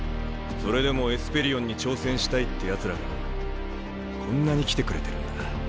それでもエスペリオンに挑戦したいってやつらがこんなに来てくれてるんだ。